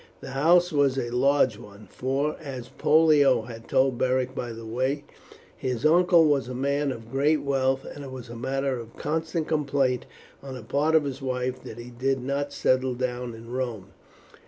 The house was a large one; for, as Pollio had told Beric by the way, his uncle was a man of great wealth, and it was a matter of constant complaint on the part of his wife that he did not settle down in Rome.